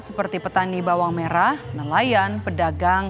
seperti petani bawang merah nelayan pedagang